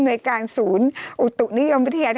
จำกัดจำนวนได้ไม่เกิน๕๐๐คนนะคะ